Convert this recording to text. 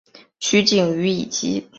取景于以及。